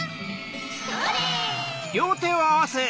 それ！